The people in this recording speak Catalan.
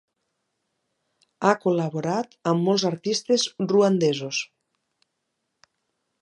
Ha col·laborat amb molts artistes ruandesos.